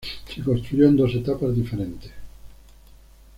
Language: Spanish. Se construyó en dos etapas diferentes.